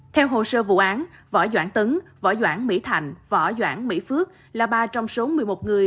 theo hồ sơ vụ án võ doãn tấn võ doãn mỹ thành võ doãn mỹ phước là ba trong số một mươi một người